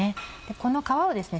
この皮をですね